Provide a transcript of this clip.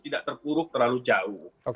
tidak terkuruk terlalu jauh